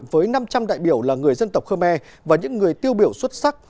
với năm trăm linh đại biểu là người dân tộc khmer và những người tiêu biểu xuất sắc